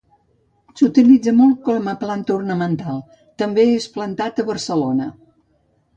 S'utilitza molt com a planta ornamental, també és plantat a Barcelona.